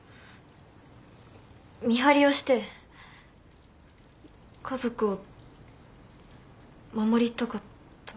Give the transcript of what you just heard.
見張りをして家族を守りたかった。